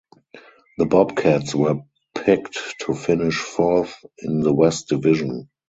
The Bobcats were picked to finish fourth in the West Division.